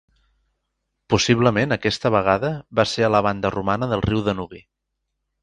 Possiblement aquesta vegada va ser a la banda romana del riu Danubi.